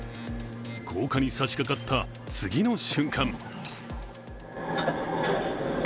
高架に差しかかった、次の瞬間。